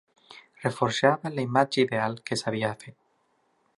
Reforjava la imatge ideal que s'havia fet.